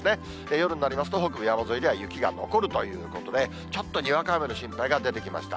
夜になりますと、北部山沿いでは雪が残るということで、ちょっとにわか雨の心配が出てきました。